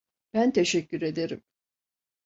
Ben teşekkür ederim.